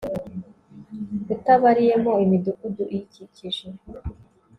utabariyemo imidugudu iyikikije